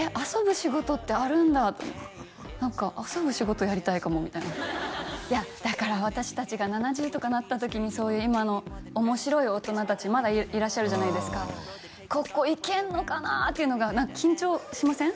仕事ってあるんだと思って何か遊ぶ仕事やりたいかもみたいないやだから私達が７０とかなった時にそういう今の面白い大人達まだいらっしゃるじゃないですかここいけんのかなっていうのが緊張しません？